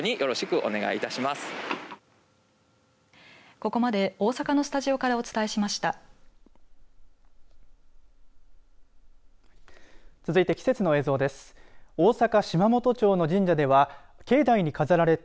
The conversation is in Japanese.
ここまで大阪のスタジオからお伝えしました。